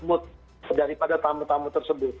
mood daripada tamu tamu tersebut